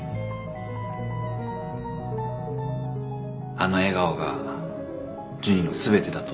あの笑顔がジュニの全てだと思う。